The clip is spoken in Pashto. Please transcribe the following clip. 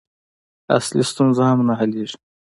اصلي ستونزه هم نه حلېږي.